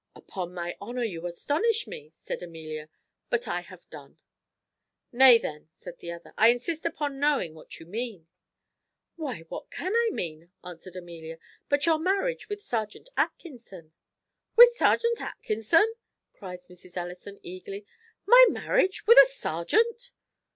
"Upon my honour, you astonish me," said Amelia; "but I have done." "Nay then," said the other, "I insist upon knowing what you mean." "Why, what can I mean," answered Amelia, "but your marriage with serjeant Atkinson?" "With serjeant Atkinson!" cries Mrs. Ellison eagerly, "my marriage with a serjeant!"